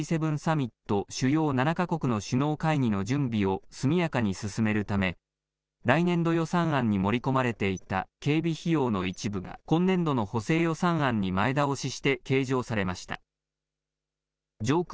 安倍元総理大臣の銃撃事件を受けて見直した要人警護の運用や来年のＧ７サミット・主要７か国の首脳会議の準備を速やかに進めるため、来年度予算案に盛り込まれていた警備費用の一部が、今年度の補正予算案に前倒しして計上されました。